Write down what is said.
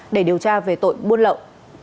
để điều tra về tội buôn lậu